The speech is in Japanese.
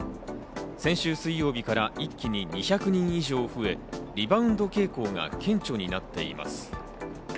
先週水曜日から一気に２００人以上増え、リバウンド傾向が顕著になっています。